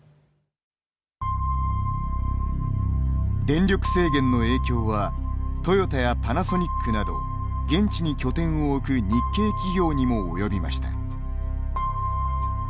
電力制限の影響はトヨタやパナソニックなど現地に拠点を置く日系企業にも及びました。